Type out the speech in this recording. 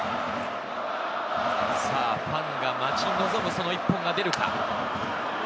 さぁファンが待ち望む一本が出るか。